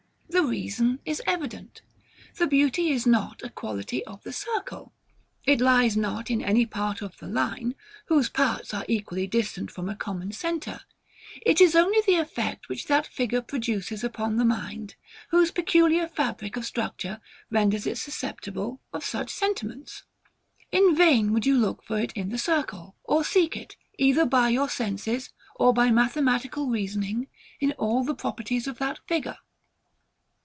The reason is evident. The beauty is not a quality of the circle. It lies not in any part of the line, whose parts are equally distant from a common centre. It is only the effect which that figure produces upon the mind, whose peculiar fabric of structure renders it susceptible of such sentiments. In vain would you look for it in the circle, or seek it, either by your senses or by mathematical reasoning, in all the properties of that figure.